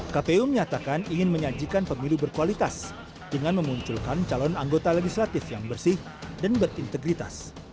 kpu menyatakan ingin menyajikan pemilu berkualitas dengan memunculkan calon anggota legislatif yang bersih dan berintegritas